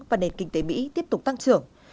và nền kinh tế mỹ tiếp tục tăng trưởng